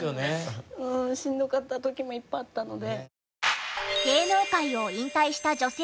しんどかった時もいっぱいあったので。